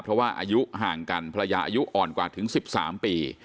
เพราะว่าอายุห่างกันภรรยาอายุอ่อนกว่าถึง๑๓ปี